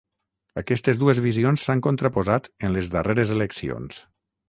Aquestes dues visions s'han contraposat en les darreres eleccions